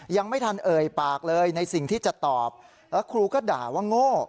ยังไม่ทันเอ่ยปากเลยในสิ่งที่จะตอบแล้วครูก็ด่าว่าโง่